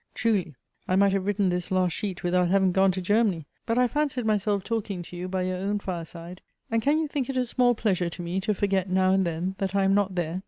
Truly! I might have written this last sheet without having gone to Germany; but I fancied myself talking to you by your own fireside, and can you think it a small pleasure to me to forget now and then, that I am not there?